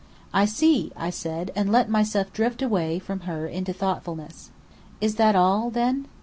"I see," I said; and let myself drift away from her into thoughtfulness. "Is that all, then?"